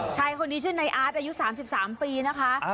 ชายคนนี้ชื่อในอาร์ตอายุ๓๓ปีนะคะ